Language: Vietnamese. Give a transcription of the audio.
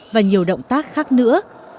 và nhiều động tác khác nữa